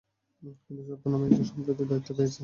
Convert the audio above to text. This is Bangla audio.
কিন্তু সত্য নামে একজন সম্প্রতি দায়িত্ব পেয়েছে।